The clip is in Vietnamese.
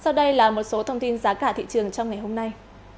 sau đây là một số thông tin giá cả thị trường trong ngày hôm nay